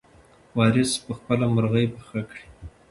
وارث به خپله مرغۍ پخه کړي.